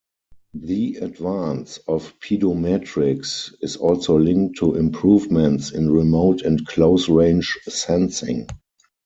The advance of pedometrics is also linked to improvements in remote and close-range sensing.